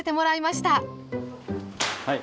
はい。